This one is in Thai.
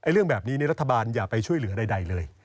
เรื่องแบบนี้รัฐบาลอย่าไปช่วยเหลือใดเลย